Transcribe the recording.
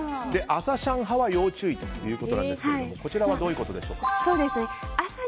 朝シャン派は要注意ということですがこちらはどういうことでしょう？